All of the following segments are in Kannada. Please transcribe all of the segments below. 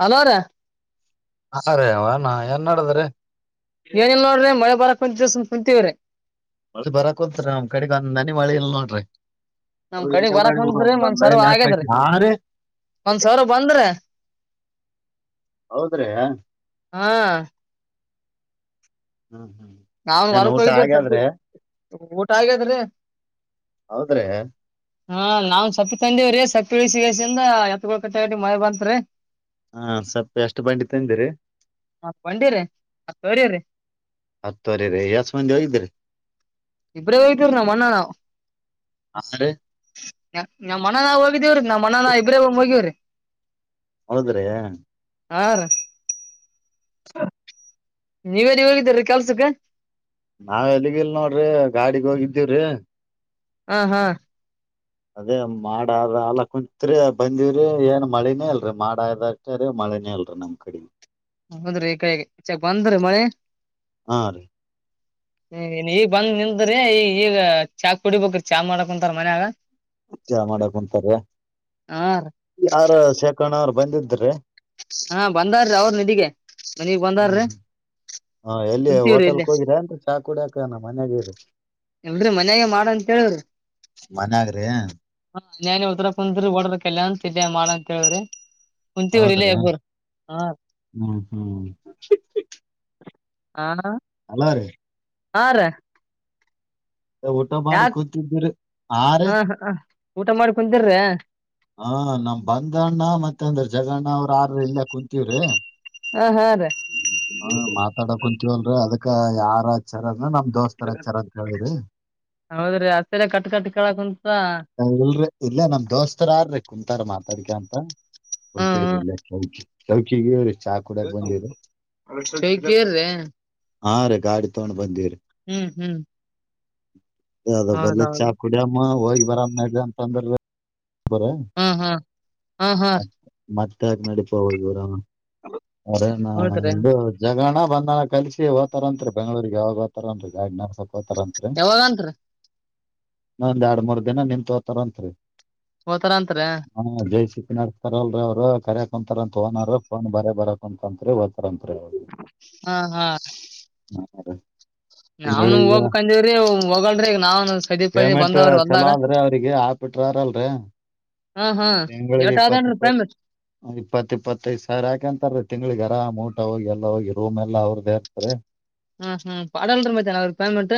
ಹಲೋ ರಿ ಹಾ ರೇ ಅವಣ ಏನ್ ಮಾಡಾಡದ್ರೀ. ಏನಲ್ ನೋಡ್ರಿ ಮಳೆ ಬರಕ್ ಕುಂತತ್ ದಿವಸ ಕುಂತೀವ್ರೀ ಬರಕ ಕುತ್ರ ನಮ್ ಕಡೆಗ್ ಒಂದ್ ನನಿ ಮಳಿ ಇಲ್ ನೋಡ್ರಿ ನಮ್ ಅವ ಕಡೆಗ್ ಬರಕ್ ಬಂದ್ರಿ ಹಂ ಒಂದ್ ಮಾಡಿ ಮಳೆ ಸರ್ವ ಆಗ್ಯದ್ರಿ ಹ ರ ಒಂದ್ ಸಾವಿರ ಬಂದ್ರೆ ಹೌದ್ರಿ ಹಾ ಹ್ಮ್ ಹ್ಮ್ ಅವನ್ ಏನ್ ವರಕ್ ಊಟ ಹೋಗಿದ್ದೇ ಸದ್ದ ಆಗ್ಯಾದ್ರಿ ಊಟ ಆಗದರಿ. ಹೌದ್ರೆ ಹಾ ನಾವ್ ಸಪ್ಪಿ ತಂದಿವವ್ರೀ ಸಪ್ಪಿ ಉಳಿಸಿಸಿಂದ ಎತ್ ಗೋಳ್ ಕಟ್ಟಗಟ್ಟ ಮಳೆ ಬಂತತ್ರಿ. ಹಾ ಸ್ವಲ್ಪ ಎಷ್ಟು ಪಾಯಿಂಟ್ ಇತ್ತುಂದಿರಿ. ಹಾಕೊಂಡಿರಿ ಹ ತೋರಿರಿ. ತೊರಿ ರ ಎಷ್ಟು ಮಂದಿ ಹೋಗಿದ್ರಿ ಇಬ್ರ ಹೈತರ್ ಮ್ಣಾನಾ ಹಾ ರೀ [unintelligible] ನಮ್ಮ್ ಮನ ನಾ ಹೋಗಿದೇವ್ರಿ ನಾವ್ ಮನ ನಾ ಇಬ್ರಾಬ ಹೋಗೇವ್ರಿ. ಹೌದು ರಿ ಹ ರಿ ಹ ನೀವೇ ನೀ ಹೋಗಿದ್ದೀ್ರರಿ ಕೆಲ್ಸಕ್ಕೆ ನಾವ್ ಎಲ್ಲಿಗಿಲ್ ನೋಡ್ರಿ ಗಾಡಿಗ್ ಹೋಗಿದ್ದೀವ್ರಿ ಹಾ ಹಾ ಅದೇ ಮಾಡದ ಅಲ್ಲ ಕುಂತ್ರಿ ಬಂದಿವ್ರಿ ಏನ್ ಮಳಿನೇ ಅಲ್ರರಿ ಮಾಡ್ದಷ್ಟೀ ಮಿ ಮಳೆ ಅಲ್ರೀ ನಮ್ಮ್ ಕಡೆ ಹೌದ್ರಿ ಈ ಕಡೆ ಈ ಚಕ್ ಬಂದ್ರಿ ಮಳೆ ಹಾ ರೀ ಹ್ಮ ಈಗ ಬಂದ್ ನಿಂತ್ರಿ ಈ ಈಗ ಚಾ ಕುಡಿಬೇಕ್ರೀ ಚಾ ಮಾಡಕ್ೊಂತಾರ ಮನ್ಯಾಗ ಚ ಮಾಡಕ್ಂತಾರ ಹಾ ಯಾರ ಶೇಖಣ ಅವ್ರ ಬಂದಿದ್ರಿ ಹಾ ಬಂದಾರೀ ಅವ್ರ ನಿಧಿಗೆ ಮನಗ್ ಹ್ಮ್ ಬಂದಾರ್ರೀ ಹಾ ಎಲ್ಲಿ ಹೋಟೆಲ್ಕ್ ಹೋಗಿರ ಅನ್ ಚಾ ಕುಡಿಯಕಣ ಮನ್ಯಾಗರಿ ಎಲ್್ರಿ ಮನ್ಯಾಗ ಮಾಡ ಅಂತ ಹೇಳ್ರಿ ಮನ್ಯಾಗ್ರಿ ಹ ಾನ ಉದರ ಕುಂದ್ರಿ ಓಡ್ರಕ್ಕೆಲ್ಲಂತ ಮಾಡಂತ ಹೇಳ್ರಿ ಹೌದ್ರೀ ಹ್ಮ್ ಹ್ಮ್ ಹ ಅಲ್ಲ ರೀ ಹಾ ರ ಊಟ ಮಾಡಿ ಕೂತಿದ್ದೀರಿ ಆ ರೀ ಹ ಹ ಹ ಊಟ ಮಾಡ ಕುಂತಿರ್ರಿ ಹಾ ನಮ್ ಬಂದಣ್ಣ ಮತ್ತ ಅಂದ್ರ ಜಗಣ್ಣ ಅವ್ರ ಆ ಇಲ್ಲಯ ಕುಂತೀವ್ರಿ ಹಾ ಹಾ ರೀ ಹ ಮಾತಾಡ ಕುಂಂತವಲ್ರರಿ ಅದಕ್ಕ ಯಾರ ಾರ ಅದ ನಮ್ ದೋಸ್ತರ ಹಚ್ಚಾರ ಅಂತ ಕೇಳಿದ್ರಿ ಹೌದ್ರಿ ಹತ್ತರ ಕಟ್ ಕಟ್ಟ ಕೇಳಕಂತ ಇಲ್ರರಿ ಇಲ್ಲ ನಮ್ ದೋಸ್ತರಾರ್ರೀ ಕುಂತಾರ ಮಾತಾಡ್ಿಕ ಅಂತ ಹಲ್ತೇವ್ರಿ ಇಲ್ಲ ಚೌಕಿ ಚೌಕಿಗ್ರಿ ಕೇ್ರೇ ಹಾ ರೆ ಗಾಡಿ ತಗೊಂಡ್ ಬಂದಿರಿ ಹ್ಮ್ ಹ್ಮ್ ಅದ ಬಲ್ಲ ಚಾ ಹೌದೌದು ಕುಡಿಯಮ್ಮ ಹೋಗಿ ಬರಾಮ ನ ಅಂತ ಅಂದ್ರ ಬರ ಹ್ಮ್ ಹ್ಮ್ ಹಾ ಹಾ ಮ ಮತ್ತೆಾಕ್ ನಡಪ ಹರ ಅರಣ ಹೌದ್ರಿ ಇ ಜಗಾನ ಬಂದ ಕಲಸ ೋತಾರ ಅತ್ರಿ ಬೆಂಗಗಳೂರಿಗೆ ಯಾವಾಗ ಹೋತಾರ ಅನ್ರಿ ಗಾಡ್ಿನಲ್ಪ ತೋತಾರತ್ರಿ ಯಾವಾಗಂತ್ರಿ ನೊಂದ್ ಎರಡ್ ಮೂರ್ ದಿನ ನಿನ್ ತೋತಾರಂರಿ ತರ ಅಂತರ ನಡ್ಸ್ತಾರಲ್ರರಿ ಅವ್ರು ಕರಕ ಕುಂತಾರ ಅಂತ ಓನರ್ ಫೋನ್ ಬರ ಬರಕ್ ಅಂತತ್ರಿದ ಹಾ ಹಾ ಹ ನಾವ್ನು ತಿಂಗಳಿಗ ಹೋಗ್ಬೇಕಂದಿವ್ರಿ ಹೋಗಲ್ರಿ ಈಗ ನಾವ್ನು ಸದಿ ಪದಿ ಪೇಮೆಂಟ್ ಬಂದವ್ರಿ ಹೊಲ್ದಾಗ ಚಲೋ ಅಂದ್ರೆ ಅವರಿಗೆ ಆಪ್ ಬಿಟಾರಲ್ರ ಹ್ಮ ಹ್ಮ ಯವಟ ಆದ್ ಇಪ್ಪತ್ತ ಇಪ್ಪತ್ತೈದ ಸಾವಿರ ಯಾಕ ಅಂತಾರೀ ತಿಂಗಗಳಿಗೆರ ಮೂ ಹೋಗ ಎಲ್ಲ ಹೋಗಿ ರೂಮ್ಲ್ಲ ಅವ್ರದ್ದೇ ಇರ್ತಾರೆ ಹಾ ಹಾ ಪಾಡಲ್ರಿ ಮತ್ತೆ ಅವ್ರ ಪೇಮೆಂಟ್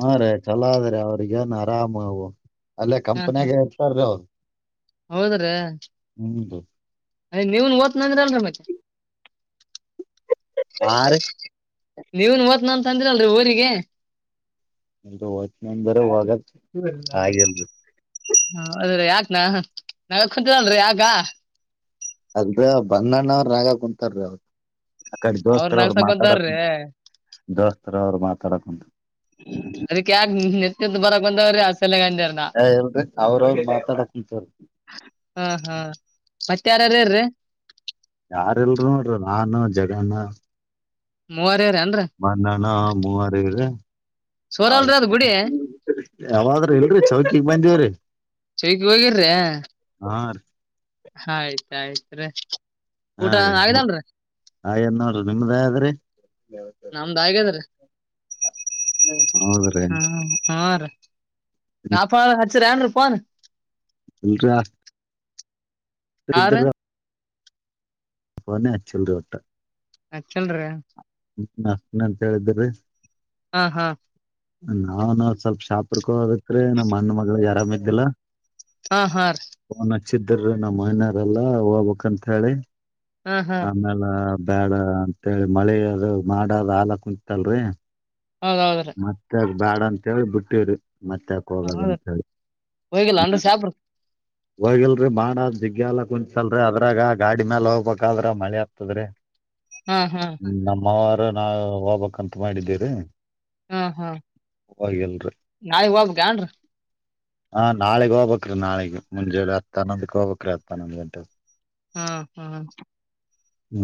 ಹಾ ರೇ ಚಲೋ ಅದ್ರೆ ಅವ್ರಗ ಏನ್ ಆಾಮ್ವು ಅಲ್ಲೇ ಹಾ ಕಂಪನಿಯಾಗ ಇರ್ತಾರೀ ಅವರು ಹ್ಮ ಅರೆ ನೆವುನ್ ವತ್ ನಂತರ ಅಲ್ಲರ ಮತ್ತೆ ಆ ರಿ ನೀವುನ್ ಹೊದ್ನಂತ್ ತಂದ್ರಲ್ರಿ ಊರಿಗೆ [unintelligible] ಎ ವಾಚ್್ಮ್ಯಾನ್ ಬರ ಹ ಹಾಗೆಲ್ [unintelligible] ಹ ಅದ್ರೀ ಯಾಕನಾ ನಾವ ಕುಂಚಿದಲ್ರೀ ಯಾಕ ಅದ್ರ ಬಂದಣ್ಣ ಅವ ರಾಗ ಕುಂತಾರೀ ಅವ್ರು ಅಕ್ಕಡೆ ಅವ್ರ ದೋಸ್ತರು ಅವರು ನಗ್ಸಕೊಂತಾರ್ರಿ ಮಾತಾಡಕ ದೋಸ್ತರು ಅವರು ಮಾತಾಡಕ ಅದಕ್ಕೆ ಯಕ್ ನೆತ್ಯದ್ದ ಬರಕಂದವ್ರೆ ಚಲ್ಲಂಗರ್ಂದ ಏ ಇಲ್ರಿ ಅವ್ರವ್ರ ಮಾತಾಡಕ್ ಕುಂತಾರ ಹಾ ಹಾ ಮತ್ ಯಾರರ್ರೆರೀ ಯಾರ್ ಇಲ್ರ್ ನೋಡ್ರಿ ನಾನು ಜಗಣ ಮೂವರೆ ಮನ್ನಣ ಮೂವರ ಇದೆ [inaudible] ಹ ಸೋರಲ್ರಿ ಅದ್ ಗುಡಿ ಯಾವಾದ್ರೂ ಇಲ್ರಿ ಚೌಕಿಗ್ ಬಂದಿವ್ರಿ [unintelligible] ಚಗ್ ಹೋಗಿರ್ರಿ ಹಾ ರಿ ಆಯ್ತಾಯ್ತ್ ರೀ ಊಟ ಆಗಿದೆಲ್ರಿ ಆಗೆದ್ ನೋಡ್ರಿ ನಮ್ದ್ ಅಗೆದ್ರಿ ನಮ್ದ್ ಆಗೆದ್ರಿ ಹೌದ್ರಿ [unintelligible] ಹ್ಮ ಹಾ ರ ನಾಪ ಹಚ್ಚರನು ಪ [unintelligible] ಇಲ್ಲ ಹಾ ಇಧರ ರೀ [unintelligible] ಫೋನೆ ಅಚ್ಚಿಲ್ಲ ವಟ್ಟ ಅಚ್ಚಳ್ರ ಹಾಂತ ಹೇಳಿದ್ರರಿ [unintelligible] ಹಾ ಹಾ ನಾವ್ ನ ಸ್ವಲ್ಪ ಶಾಪುರ್ ಕೋಗದಿತ್ರಿ ನಮ್ಮ್ ಅಣ್ಣ ಮಗ್ಳ್ ಅರಾಮ ಇದ್ದಿಲ್ಲ ಹಾ ಹಾ ರ್ [unintelligible] ನಮ್ಮ ಮನೆರೆಲ್ಲ ಹೋಗ್ಬೇಕ್ ಕಂತ್ ಹೇಳಿ ಹಾ ಹಾ ಆಮೇಲ ಬ್ಯಾಡ ಅಂತೇಳಿ ಮಳೆ ಅದು ಮಾಡದ ಹಾಲ ಕುಂತಲ್ರಿ ಹೌದ್ ಹೌದ್ರಿ ಮತ್ತೆ ಬ್ಯಾಡ ಅಂತ ಹೇಳಿ ಬಿಟ್ಟವ್ರಿ ಮತ್ಯಾಕ್ ಹೌದ್ರಿ ಹೋಗದಂತ ಹೇಳಿ ಹೋಗಿಲ್ಲ ಅನ್ರಿ ಹ್ಮ ಸಾಬ್ರ ಹೋಗಿಲ್ರರಿ ಮಾಡದ್ ಜಿಗ್ಗ್ಯಲ್ಲ ಕುಂಚಲ್ರರಿ ಅದ್ರಾಗ ಗಾಡಿ ಮ್ಯಾಲ ಹೋಗ್ಬೇಕಾದ್ರ ಮಳಿ ಆಗ್ತದ್ರಿ ಹಾ ಹಾ ನಮ್ಮವರು ನಾವ್ ಹೋಗ್ಬಕ್ಂತ ಮಾಡಿದ್ದೀರಿ ಹ್ಮ ಹ್ಮ ನಾವ್ ಇವಾಗ್ [unintelligible] ಗನ್ರೀ ಹಾ ನಾಳೆಗ್ ಹೋಗಬಬೇಕ್ ರಿ ನಾಳಗ್ ಮುಂಜೆೆ ಹನ್ನೊಂದಕ್ಕೆ ಹೋಗ್ಬೇಕ್ ರಿ ಹತ್ ಹನ್ನೊಂದು ಗಂಟೆಗೆ ಹ್ಮ್ ಹ್ಮ್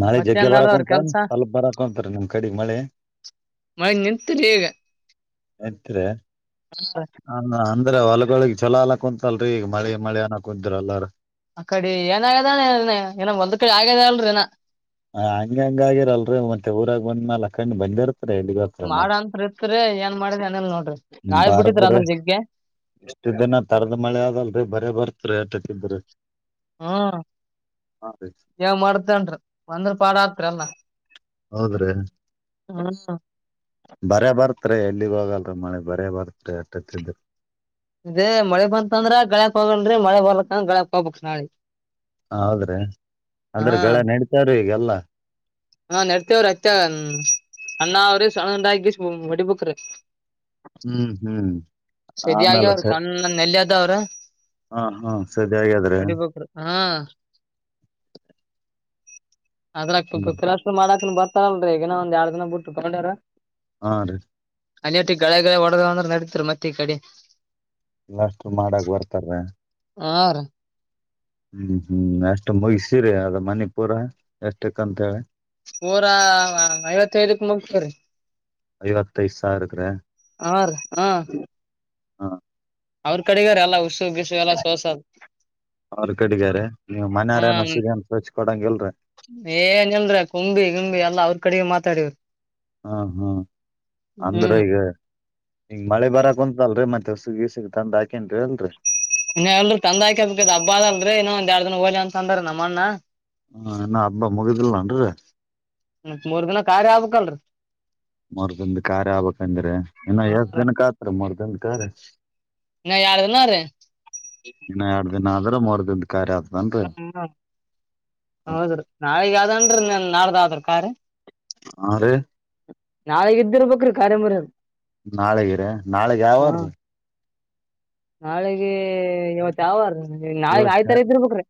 ನಾಳೆ ಜಗ್ಗೆ ಬರಾಕೊಂತ ಸ್ವಲ್ಪ ಬರಕೊಂತರ ನಿಮ್ ಕಡೆ ಮಳೆ ಮಳೆ ನಿಂತ್ ಇಗ ಯತ್ೆ ನ [unintelligible] ಅಂದ್ರೆ ಹೊಲಗಳಿಗ್ ಛಲ ಅಲ್ಲ ಕುಂತಲ್ರೀ ಈಗ ಮಳಿ ಮಳೆ ಅನ ಕುಂತತ್ರು ಎಲ್ಲಾರು ಆ ಕಡೆ ಏನಾಗ್ಯದಾನ ಏನ ಒಂದ್ ಕಡೆ ಆಗ್ಯದ ಅಂದ್ರು ಎಲ ಹ ಹಂಗ ಹಂಗ ಆಗಿರಲ್ರಿ ಮತ್ತೆ ಊರಾಗ ಬಂದ್ ಅಕಂಡ್ ಬಂದಿರ್ ಮಾಡ ಅತ್ರಿ [unintelligible] ಇತ್ರಿ ಏನ್ ಮಾಡಿದ ಅನೇಲ್ ನೋಡ್ರಿ ಗಾಯಿ ಬಿಟ್ಟಿತ್ ಅಂದ್ರ ಜಿಗ್ಗೆ ಅಷ್ಟು ದಿನ ತರದ್ ಮಳೆ ಆದಲ್ರಿ ಬರ ಬರ್ತ್ರಿ ಅಟಕ್ಕಿದ್ರ ಹ್ಮ್ ಯವ [unintelligible] ಮಾಡ್ತೇನ್ಿ ಒಂದ್ರ ಪಾಡ ಆತ್ರಿಲ್ಲ ಹೌದ್ರೀ ಬರೆ ಬರ್ ಹತ್ರ ಎಲ್ಲಿ ಹೋಗಲ್ರ ಮಳೆ ಬರೇ ಬರ್ತ್ ಎಷ್ಟೋತ್ತಿದ್ರು ಇೇ ಮಳೆ ಬಂತ ಅಂದ್ರ ಗಳ್ಯಾಕ್ ಹೋಗನ್ರಿ ಮಳೆ ಬರ್ಲಕ್ಕ ಗಳ್ಯಾಕ್ ಹೋಗ್ಬಬೇಕ್ ನಾಳಿ ಹೌದ್ರೆ ಅಂದ್ರೆ ಗಳ ನಡಿತಾರೂ ಈಗೆಲ್ಲ. ಹ ನತೆ ಅವ ಅಚ್ಚ ಅಣ್ಣಾವ್ರು ಸಡನ್ನಾಗಿ ಬೆಳೆ ಬೇಕರಿ. ಹ್ಮ್ ಹ್ಮ್ ಸರಿ ಆಗ್ಯ ಆಮೇಲೆ ಅವ್ರ ಸ ಸಣ್ಣ ನೆಲ್ಲಿ ಅದ ಅವ್ರ ಹಾ ಹಾ ಸದಿ ಆಗ್ಯಾದ್ರಿ ಒಡಿ ಬಕರ್ ಹಾ ಅಂದ್ರ ಅದ್ರರು ಮಾಡಕಕ್ನ್ ಬರ್ತಾರಲ್ರಿ ಈಗನ ಒಂದ್ ಎರಡ್ ದಿನ ಬಿಟ್ಟ ತಗೊಂಡರ ಹಾ ರಿ ಅನಿಟ್ಟಿ ಗಳೆಗಳ ಹೊಡೆದ ಅಂದ್ರೆ ನಡೀತರು ಮತ್ತೆ ಈ ಕಡೆ. ಎಲ್ಲಷ್ಟು ಮಾಡಕ್ ಬರ್ತಾರ್ರ ಹೂ ರಿ ಹ್ಮ್ ಹ್ಮ್ ಎಷ್ಟ್ ಮುಗಸೀರಿ ಅದ ಮಣಿಪುರ ಎಷ್ಟಕ್ಕಂತ ಹೇಳ ಊರ ಐವತ್ತೈದಕ್ ಮುಗ್ಸಿವ್ರಿ ಐವತ್ತು ಐದು ಸಾವಿರಕ್ರ. ಹೂ ರಿ ಹೂ ಹಾ ಅವ್ರ ಕಡೆಗಾರ ಎಲ್ಲ ಹುಸುಗಿಸು ಎಲ್ಲಾ ಸೋಸ ಅವ್ರ ಕಡಗಾರ ನೀವ್ ಮನೆಯಾರೇಏನ್ ಹೊಸಿಗೆನ್ ಸ್ವಚ್ ಕೊಡಂಗ ಇಲ್ರರಿ. ಏನ್ಲ್ರ ಕುಂಬಿ ಗಂಬಿ ಎಲ್ಲ ಅವ್ರ ಕಡೆಗೆ ಮಾತಾಡವರು. ಹ್ಮ ಹ್ಮ್ ಅಂದ್ರೆ ಹ್ಮ್ ಈಗ ಈಗ್ ಮಳೆ ಬರಕ್ ಕುಂತಲ್ರರಿ ಮತ್ತೆ ಉಸಗ್ಸಗ್ ತಂದ ಹಾಕೇನ್ ಅಲ್ರರಿ ಇ ಎಲ್ರು ತಂದ ಆ ಬ್ ಹಬ್ಬ ಅಲ್ರಿ ಇನೊ ಒಂದ ಎರಡ್ ದಿನ ಹೋಗಲಿ ಅಂತ ಅಂದಾರ ನಮ್ಮಣ್ಣ. ಹ ಇನ್ನ ಹಬ್ಬ ಮುಗಿದಿಲ್ಲನ್ರಿ ಮತ್ ಮೂರ್ ದಿನ ಕಾರ್ಯ ಆಗಬೇಕಲ್ರಿ ಮೂರ್ ದನ್ದ ಕಾರಾರ್ ಆಗ್ಬಬೇಕಂದ್ರೆ ಇನ್ನು ಹಾ ಎಷ್ಟ ದಿನಕ ಆತ್ ಮೂರ್ ದಿನ ಕಾರ್ಯ ಇನ್ನು ಎರಡು ದಿನ ರಿ ನ ಆದ್ರೆ ಮೂರು ದಿನ. ಕಾರ್ಯ ಆತದನ್ರಿ ಹ್ಮ ಹೌದ್ರಿ ನಾಳಗ್ ಯಾವ್ದನ್ ನಾಳ್ದಾವ್ರ ಕಾರ್. ಹ ರಿ ನಾಳೆ ಇದ್ದಿರ್ ಬೇಕ್ರಿ ನಾಳೆ ಮೂರು ಕಾರ್. ನಾಳೆಗಿರಿ ನಾಳೆಗ್ ಯಾವಾರ್ರಿ ನಾಳೆಗೆ ಇವತ್ ಯಾವಾರ ನಾಳಗ್ ಇವತ್ ಆಯ್ತರ ಇದಿರ್ಬೇಕ ರಿ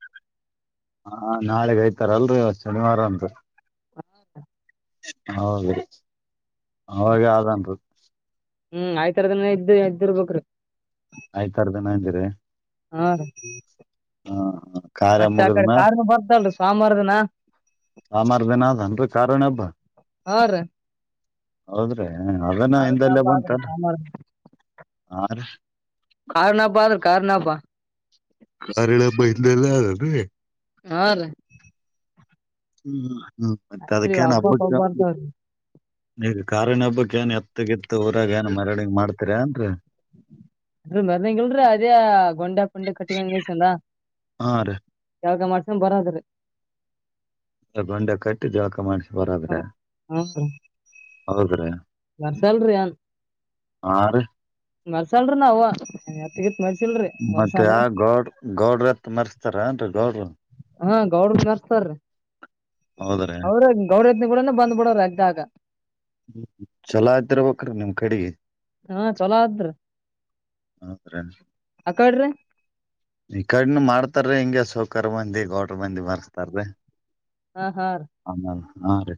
ಹಾ ನಾಳೆಗಐ್ತರಲ್ರರಿ ಇವತ್ ಶನಿವಾರ ಅಂತ. ಹೌ ಹೌದು ಅವಾಗ ಅದನ ರಿ ಹ್ಮ್ ಆಯ್ತರದ ಇದ ಇದ್ದರ್ಬೇಕಕ್ರು. ಆಯ್ತ್ ವರ ದಿನ ಅಂದಿರಿ ಹಾ ರ ಹಾ ಕಾರ್ಯ ಮತ್ತೆ ಆ ಕಡೆ ಮುಗಿದ್ಮ್ಯಾಲ್ ಕಾರ್ ಗಳು ಬರ್ದಲ್ರಿ ಸೋಮವಾರದನ. ಸೊಮಾರ ದಿನಾದ ಅನ್ರ ಕಾರಣ ಹಬ್ಬ ಹಾ ರೀ ಹೌದ್ರಿ. ಹ ಅದನ ಹಿಂದಲ್ಲೇ ಬಂತ ಕಾರಾರ್ಣ ಬ ಆದ್ರೆ ಕಾರ್ಣ ಬ [unintelligible] ಹಾ ರೀ ಹ್ಮ್ಮ ಹ್ಮ್ ಮತ್ತೆ ಆಯ್ತ್ರಿ ಅದಕ್ಕನ್ ಹಬ್ಬ ಹಬ್ಬಕ್ಕ ಪಬ್ಬ ಬರ್ತಾವ್ರಿ ಈಗ ಕಾರಿನ ಹಬ್ಬಕ್ ಏನ್ ಎತ್ತಗಿತ್ತು ಊರಾಗ ಏನ್ ಮರಡಿಂಗ ಮಾಡ್ತೀರ ಅನ್ರಿ ಅದ್ರೀ ಮರ್ನಗಿಲ್ರರಿ ಅದೇ ಗೊಂಡೆ ಪಂಡೆ ಕಟ್ಟಿಗೊಂಡಿತಲ್ಲ ಆ ರಿ ಕಳಗ ಮಾಡಸನ್ ಬರದ್ರಿ ಬಂಡೆ ಕಟ್ಟಿ ಜಳಕ ಮಾಡಿ. ಬರದ್ರೆ ಹೌದ್ರೆ ಮರ್ಸಲ್ರಿ ಹ ರಿ ಮಲ್ಸಲ್ರಿ ನಾವು ಮತ್ತೆ ಆ ಗೌಡ ಗೌಡ್ರತ್ ಮರ್ಸ್ತಾರ ನ್ರಿ ಗೌಡ್ರ ಹಾ ಗೌಡ್ ಕರ್ತಾರೀ ಹೌದ್ರಿ ಅವ್ರ ಗೌಡ [unintelligible] ಡ ಬಂದ್ಬಿಡೋರ ಅಗ್ದಾಗ ಚಲೋ ಇದತಿರಬೇಕ್ರೀ ನಿಮ್ ಕಡೆಗೆ ಹಾ ಚಲೋ ತ್ರಿ. ಹ ಫ್ರೆಂಡ್ಸ್ [unintelligible] ಅಕಡ್ರಿ ಈ ಕಡನ್ ಮಾಡ್ತಾರ ಹಿಂಗಗೆ ಸೌಕರ್ ಮಂದಿ ಗೌಡ್ರ ಮಂದಿ ಮರ್ತಾರ್ರೀ. ಹಾ ಹಾ ಹಾ ರೀ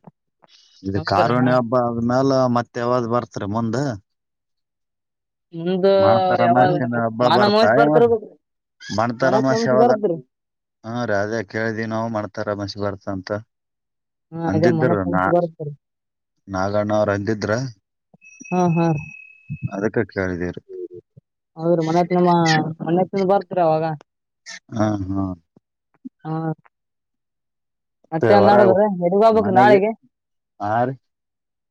ಇದು ಹೌದ್ರಿ ಕಾರುಣ್ಯ ಹಬ್ಬ ಆದ್ಮೇಲ ಮತ್ತೆ ಯಾವಾಗ್ ಬರ್ತ್ರಿ ಮುಂದ ನಿಮ್ದು ಮಾಡ್ತಾರ ಯಾವಾಗ ಮಸನ್ ಹಬ್ಬ ಮಾನ ಬರ್ತಾ ಮಹೇಶ್ ಅವ ಬರ್ತಿರ್ಬೇಕ ಮನತ್ ಮಣ್ತರಮಾಸ ನಮಸ್ ಯಾವದ ಬರ್ತ್ರಿ ಹಾ ರೀ ಅದೇ ಕೇಳಿದಿವವಿ ನಾವು ಮಣತರಮಾಸ ಬರ್ತ ಅಂತ ಹಾ [unintelligible] ಅದೇ ಅಂದಿದ್ರ ಮನತ್ ನಾ ನಮಸ್ [unintelligible] ಬರ್ತ್ರಿ ನಾಗಣ್ಣ ಅವ್ರ ಅಂದಿದ್ರ ಹಾ ಹಾ ಅದಕ್ಕೆ ಕಾರಿದೀರು [unintelligible] ಹೌದ್ರೀ ಮನ್ ಹತ್ ನಮ್ಮ ಮನ್ತ್ [unintelligible] ದ ಬರ್ತರ ಅವಾಗ ಹಾ ಹಾ [unintelligible] ಹಾ [unintelligible] ಮತ್ತೆನ್ ಹೊರಗ ನಾಡದ್ರ ಹಡಿ ಬಬಕ್ ಮನೆಗೆ ನಾಳೆಗೆ [unintelligible] ಹಾ ರೀ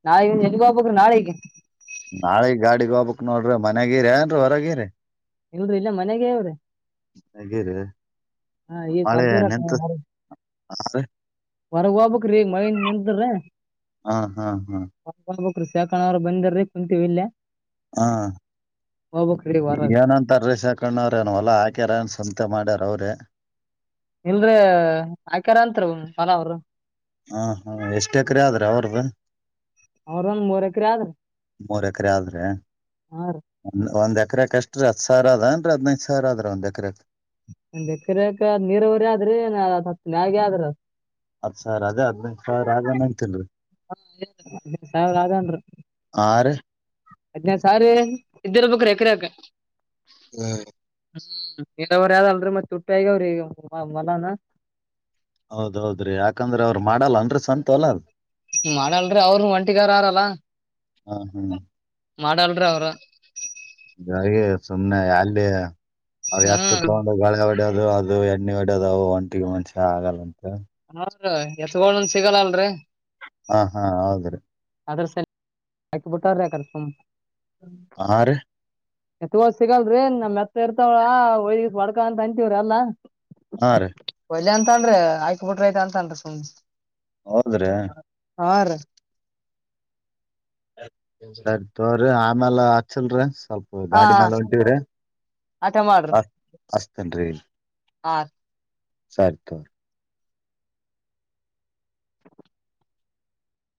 ನಾಳೆಗೆ ಎಲ್ಲಿಗಾಕ ನಾಳೆಗೆ. ನಾಳೆಗ್ ಗಾಡಿಗೆ ಹೋಗಬಕ್ ನೋಡ್ರಿ ಮನ್ಯಾಗಿರಿ ಏನ್ರಿ ಹೊರಗಿರಿ. ಇಲ್ರಿ ಇಲ್ಲ ಮನೆಗೆವ್ರಿ [unintelligible] ಮನೆಗಿರಿ ಹಾ ಈ ಮಳೆ ಕೊರತೂರ ನಿಂತ [unintelligible] ಹಾ ರೀ ಹೊರಗ ಹೋಗ್ಬ್ರೀ ಈಗ ಮಳ ನಿಂತ್ರ ಹೊರಗಬ ಹಾ ಹಾ ಹಾ [unintelligible] ಅ ಸಕಣವ್ರು ಬಂದಾರ್ರೀ ಕುಂತೀವಿ ಇಲ್ಲೇ. ಹ್ಮ ಹೋಗ್ಬೇಕ್ರಿ ಈಗ ಹೊರಗ್ ಏನಂತರ್ರೀ ಸಾಕಣ್ಣವ್ರ ಹೊಲ್ಲಾ ಹಾಕ್ಯಾರನ್ಸ. ಅತ ಮಾಡಾರ ಅವ್ರೇ ಇಲ್ರಿ ಆಕಾರ ಅಂತರಿ ಮನ ಅವರು. ಹಾ ಹ್ಮ ಎಷ್ಟ ಎಕರೆ ಆದ್ರ ಅವರ್ದ [unintelligible] ಅವ್ರೊಂದ್ ಮೂರ್ ಎಕರೆ ಆದ್ರಿ ಮೂರ್ ಎಕರೆ ಆದ್ರೆ ಹಾ ರೀ ಒಂದ್ ಎಕರೆ ಕಷ್ಟ [unintelligible] ಹತ್ತು ಸಾವಿರ ಅದು ಐದ್ನೈದ ಸಾವಿರ ಅದ ಒಂದು ಎಕರೆ ಗೆ. ಎಕರೆಕ ನೀರವರಿ ಆದ್ರಿ ಹಾಗ ಆದ್ರ. ಅದ್ ಹತ್ತು ಸಾವಿರ ಅದ ಹದ್ನೈ ಸಾವಿರ ಆನ ಅಂತಲ್ರರಿ. ಹಾ ಸಾವಿರ ಆದನ್ರು [unintelligible] ಹಾ ರೀ ಹದ್ನ ಸಾವರಿ ಇದ್ದರ ಬ್ರಿ ಎಕ್ರ ಯಕ. ಹ್ಮ್ [unintelligible] ಹ್ಮ್ ನೀರಾವರಿ ಯದ ಅಲ್ರಿ ಮತ್ತತ್ ತುಟ್ಟಿ ಆಗಾವ್ರಿ ಮನಾನ. ಹೌದೌದ್ರಿ ಯಾಕಂದ್ರ ಅವ್ರರು ಮಾಡಲ್ಲ ಅನ ಸ್ವಂತ ಅಲ್ಲ ಮಾಡಲ್ರಿ ಅವರು ಒಂಟಿಗಾರ ಆರಲ್ಲ ಹಾ ಹ್ಮ ಮಾಡಲ್ರಿ ಅವ್ರ ಜ ಸುಮನೆ ಯ [unintelligible] ಅ ಅ ಹತ್ತು ಹ್ಮ್ ತಗೊಂಡ ಬೆಳೆ [unintelligible] ಅದು ಅದು ಎಣ್ಣ ಎಡ ಅದು ಒಂಟಿಗೆ ಮನ್ಷ್ಯ ಆಗಲ್ಲಂತ‌. ಹ ಎತ್ಗ ಒಂದ ಸಿಗಲ್ಲ ಅಲ್ರರಿ. ಹಾ ಹಾ ಹೌದ್ರಿ ಅದ್ರ ಸ ಹಾಕಿಬಿಟ್ಟಾರ್ರ ಯ್ರ ಸು ಹ ರೀ ಎತ್ಗೋದ ಸಿಗಲ್ರಿ ನಮ್ ಎತ್ತ ಇರ್ತಾವಳ ಒಯ ಬಡ್ಕ ಅಂತ ಅಂತೀವ್ರಿ ಎಲ್ಲಾ. ಹ ರ್ರೀ ಎಲ್ಲ ಅಂತನ್ ಆಯಕ್ ಬಿಟ್ರ ಐತೆತ ಅಂತನ್ ಸುಮ್. ಹೌದ್ರೆ ಹ ರ್ರೀ [unintelligible] ಸರಿ ತೋರಿ ಆಮೇಲೆ ಹಚ್ಚಲ್ರಿ. ಸ್ವಲ್ಪ ಹಾ ಗಾಡಿ ಮೇಾಲ ಉಂಟವ್ರಿ ಆಟ ಅಸ್ತೇನ್ ರೀ. ಆ ಸರ್ ತರ್ [unintelligible] [inaudible]